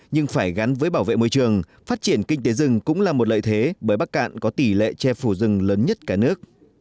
nhưng phải gắn với bảo vệ môi trường phát triển kinh tế rừng cũng là một lợi thế bởi bắc cạn có tỷ lệ che phủ rừng lớn nhất cả nước